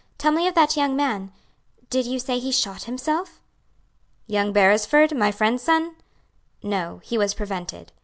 Tell me of that young man. Did you say he shot himself?" "Young Beresford, my friend's son? No, he was prevented."